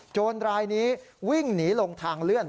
รายนี้วิ่งหนีลงทางเลื่อน